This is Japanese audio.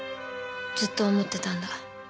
「ずっと思ってたんだ」